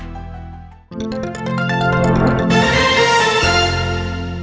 โปรดติดตามตอนต่อไป